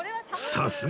さすが！